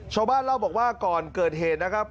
ชาวบ้านเล่าบอกว่าก่อนเกิดเหตุนะครับ